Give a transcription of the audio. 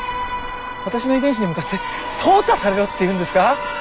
私の遺伝子に向かって淘汰されろっていうんですか？